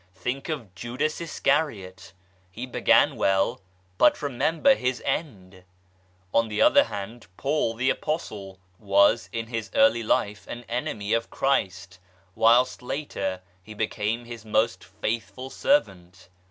Think of Judas Iscariot ; he began well, but remember his end ! On the other hand, Paul, the Apostle, was in his early life an enemy of Christ, whilst later be became His most faithful servant.